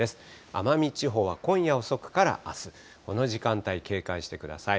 奄美地方は今夜遅くからあす、この時間帯、警戒してください。